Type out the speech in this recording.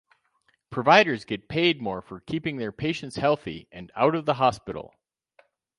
Providers get paid more for keeping their patients healthy and out of the hospital.